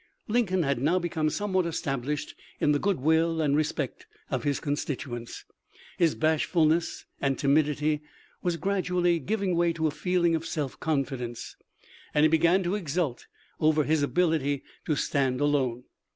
Lincoln had now become somewhat established in the good will and respect of his constituents. His bashfulness and timidity was gradually giving way to a feeling of self confidence, and he began to exult over his abil ity to stand alone.